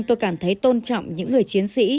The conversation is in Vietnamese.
tôi cảm thấy tôn trọng những người chiến sĩ